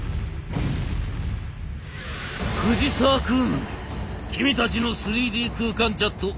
「藤沢君君たちの３Ｄ空間チャット